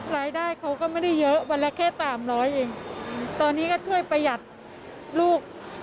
รายได้เขาก็ไม่ได้เยอะวันละแค่สามร้อยเองตอนนี้ก็ช่วยประหยัดลูก